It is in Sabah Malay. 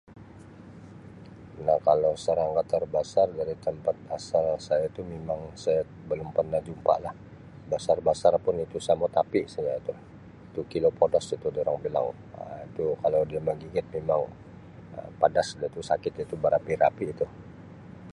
Memang kalau serangga terbesar dari tempat asal saya itu memang saya belum pernah jumpa lah. Besar-besar pun itu samut api saja itu, tu killer padas itu orang bilang Um tu kalau dia menggigit memang padas itu, sakit itu barapi-api itu.